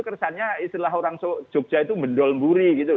itu kesannya istilah orang jogja itu mendolmburi gitu